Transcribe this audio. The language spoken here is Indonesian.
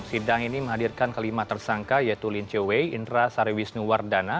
sidang ini menghadirkan kelima tersangka yaitu lin chowe indra sariwisnuwardana